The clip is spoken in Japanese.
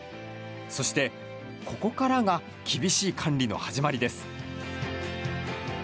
そして、ここからが厳しい管理の始まりです。